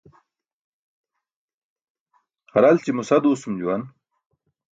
Haralći̇mo sa duusum juwan.